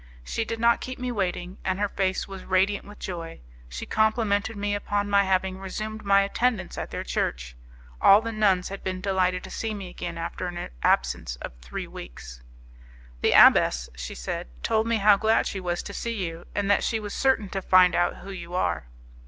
She did not keep me waiting, and her face was radiant with joy. She complimented me upon my having resumed my attendance at their church; all the nuns had been delighted to see me again after an absence of three weeks. "The abbess," she said, "told me how glad she was to see you, and that she was certain to find out who you are."